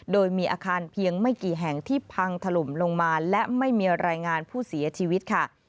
โดยมีอาคารเพียงไม่กี่แห่งที่พังถล่มลงมาและไม่มีรายงานผู้เสียชีวิตค่ะ